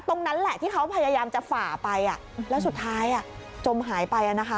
ตรงนั้นแหละที่เขาพยายามจะฝ่าไปแล้วสุดท้ายจมหายไป